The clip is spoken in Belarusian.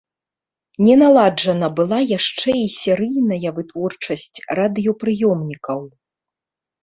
Не наладжана была яшчэ і серыйная вытворчасць радыёпрыёмнікаў.